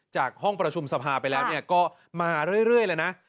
จากห้องประชุมสภาไปแล้วก็มาเรื่อยเลยนะ